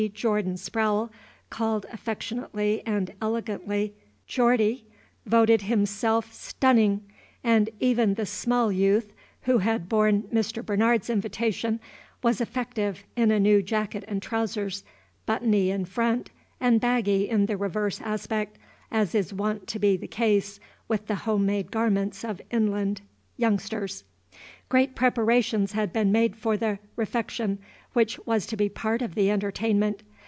Jordan Sprowle, called affectionately and elegantly "Geordie," voted himself "stunnin'"; and even the small youth who had borne Mr. Bernard's invitation was effective in a new jacket and trousers, buttony in front, and baggy in the reverse aspect, as is wont to be the case with the home made garments of inland youngsters. Great preparations had been made for the refection which was to be part of the entertainment.